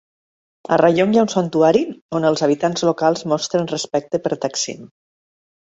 A Rayong hi ha un santuari on els habitants locals mostren respecte per Taksin.